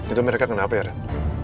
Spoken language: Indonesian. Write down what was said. itu mereka kenapa ya ren